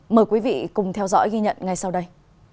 mời quý vị cùng theo dõi ghi nhận ngay sau đây